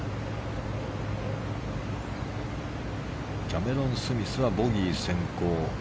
キャメロン・スミスはボギー先行。